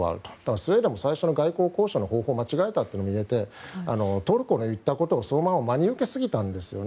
スウェーデンも最初に外交交渉の方向を間違えたというのもいえてトルコの言ったことをそのまま真に受けすぎたんですよね。